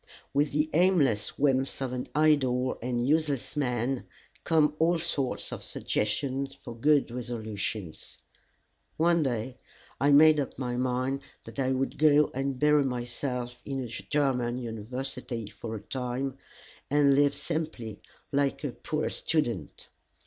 With the aimless whims of an idle and useless man come all sorts of suggestions for good resolutions. One day I made up my mind that I would go and bury myself in a German university for a time, and live simply like a poor student.